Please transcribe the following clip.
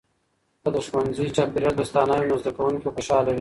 که د ښوونځي چاپیریال دوستانه وي، نو زده کونکي خوشحاله وي.